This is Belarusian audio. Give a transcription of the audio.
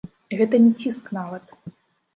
Гэта не ціск нават.